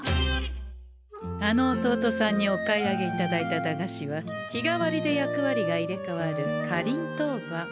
あの弟さんにお買い上げいただいた駄菓子は日替わりで役割が入れ代わる「かりんとうばん」。